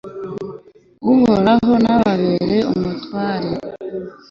uhoraho nababere umutware